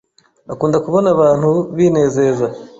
Akunda kubona abantu binezeza